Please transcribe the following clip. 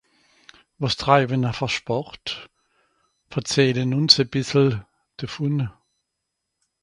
Wàs treiwe-n-r fer Sport ? Verzehle-n-ùns e bìssel devùn.